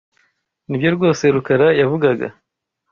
Nibyo rwose Rukara yavugaga.